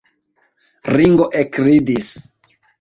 Ringo ekridis.